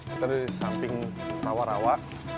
kita di samping rawa rawa